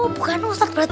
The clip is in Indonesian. bukan ustadz berarti